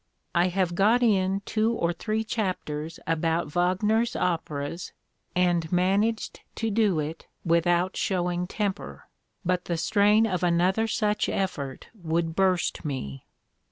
I have got in two or three chapters about Wag ner's operas, and managed to do it without showing temper, but the strain of another such effort would burst me."